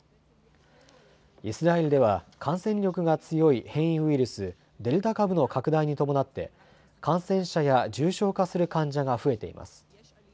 イスラエルでは感染力が強い変異ウイルス、デルタ株の拡大に伴って感染者や重症化する患者が増えています。